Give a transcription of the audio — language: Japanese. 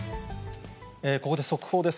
ここで速報です。